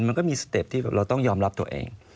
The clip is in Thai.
มันก็มีสเต็ปที่เราต้องยอมรับตัวเอง